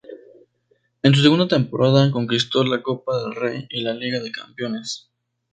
En su segunda temporada, conquistó la Copa del Rey y la Liga de Campeones.